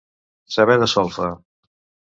Saber de solfa.